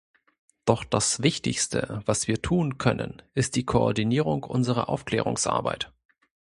Doch das Wichtigste, was wir tun können, ist die Koordinierung unserer Aufklärungsarbeit.